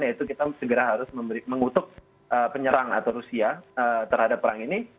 yaitu kita segera harus mengutuk penyerang atau rusia terhadap perang ini